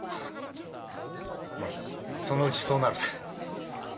まあそのうちそうなるさ。